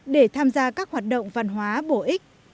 để tham gia các hoạt động văn hóa bổ ích